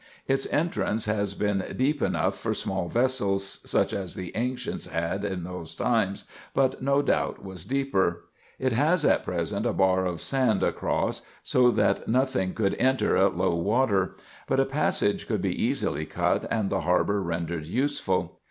Its entrance has been deep enough for small vessels, such as the ancients had at those times, but no doubt was deeper. It has at present a bar of sand across, so that nothing IN EGYPT, NUBIA, &c. S31 could enter at low water ; but a passage could be easily cut, and the harbour rendered useful.